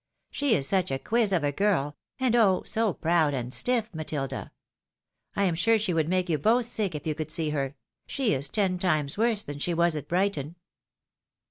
She is such a quiz of a girl ! and oh ! so proud and stiff, Matilda ! I am sure she would make you both sick if you could see her ; she is ten times worse than she was at Brighton."